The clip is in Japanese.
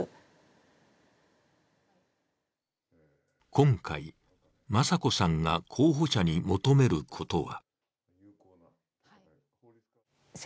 今回、雅子さんが候補者に求めることは？